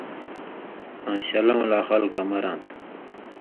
آں شلؤں لا خلکہ مراں تھہ۔